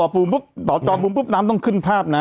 พบสจบูมพบน้ำต้องขึ้นภาพนะ